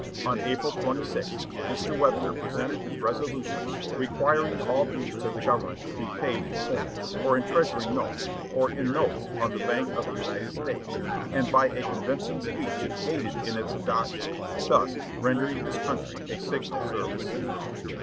On April 26, Mr. Webster presented his resolutions requiring all dues to the government to be paid in coin, or in Treasury notes, or in notes of the Bank of the United States, and by a convincing speech aided in its adoption, thus rendering his country a signal service.